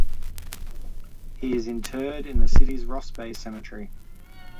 He is interred in the city's Ross Bay Cemetery.